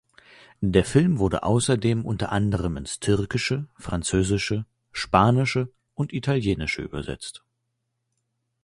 Der Film wurde außerdem unter anderem ins Türkische, Französische, Spanische und Italienische übersetzt.